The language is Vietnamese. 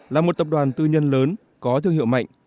là một tập đoàn tư nhân lớn có thương hiệu mạnh